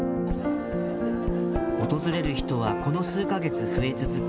訪れる人はこの数か月増え続け、